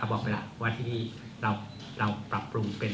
บอกไปแล้วว่าที่นี่เราปรับปรุงเป็น